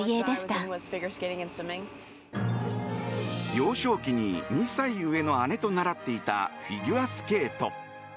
幼少期に２歳上の姉と習っていたフィギュアスケート。